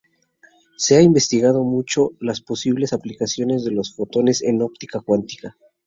Se ha investigado mucho las posibles aplicaciones de los fotones en óptica cuántica.